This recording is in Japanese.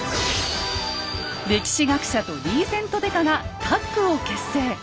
歴史学者とリーゼント刑事がタッグを結成。